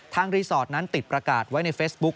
รีสอร์ทนั้นติดประกาศไว้ในเฟซบุ๊ค